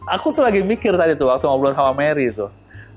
aku tuh lagi mikir tadi tuh waktu ngobrol sama mary tuh